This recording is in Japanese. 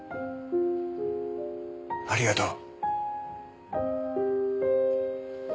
ありがとう。